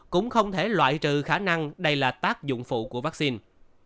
cũng không thể loại trừ khả năng đây là tác dụng phụ của vaccine